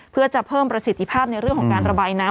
เพื่อจะเพิ่มประสิทธิภาพในเรื่องของการระบายน้ำ